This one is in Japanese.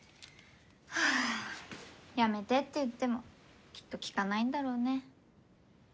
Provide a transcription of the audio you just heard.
やめてって言ってもきっと聞かないんだろうね。